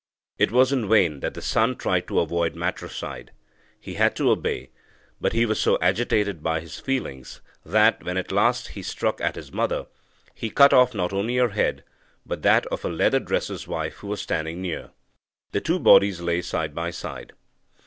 It was in vain that the son tried to avoid matricide. He had to obey, but he was so agitated by his feelings that, when at last he struck at his mother, he cut off not only her head, but that of a leather dresser's wife who was standing near. The two bodies lay side by side.